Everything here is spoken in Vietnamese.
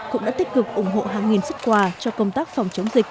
cũng đã tích cực ủng hộ hàng nghìn sức quà cho công tác phòng chống dịch